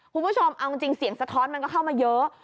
คุณผู้ชมเอาจริงเสียงสะท้อนมันก็เข้ามาเยอะ